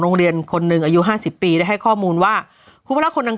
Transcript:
โรงเรียนคนนึงอายุ๕๐ปีได้ให้ข้อมูลว่าครูพระลักษณ์คนดัง